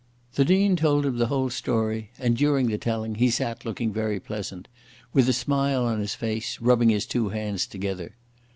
The Dean told him the whole story, and during the telling he sat looking very pleasant, with a smile on his face, rubbing his two hands together.